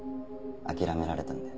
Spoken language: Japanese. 諦められたんで。